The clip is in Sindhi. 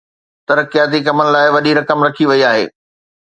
ترقياتي ڪمن لاءِ وڏي رقم رکي وئي آهي